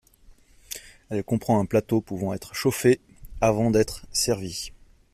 Elle comprend un plateau pouvant être chauffé avant d'être servi.